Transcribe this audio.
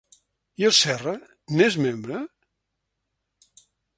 I el Serra n'és membre?